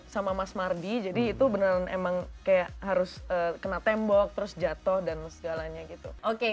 sama mas mardi jadi itu beneran emang kayak harus kena tembok terus jatuh dan segalanya gitu